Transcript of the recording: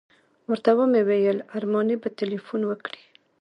ورته ومې ویل ارماني به تیلفون وکړي.